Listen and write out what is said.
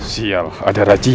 sial ada rajia